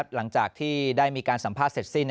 หลังจากที่ได้มีการสัมภาษณ์เสร็จสิ้น